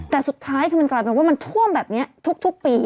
แต่สุดท้ายคือมันกลายเป็นว่ามันท่วมแบบนี้ทุกปี